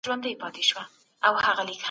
سازمانونه به د سولي خبري وکړي.